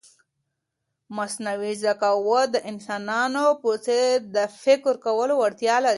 مصنوعي ذکاوت د انسانانو په څېر د فکر کولو وړتیا لري.